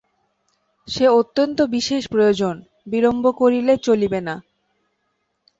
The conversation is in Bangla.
সে অত্যন্ত বিশেষ প্রয়োজন, বিলম্ব করিলে চলিবে না।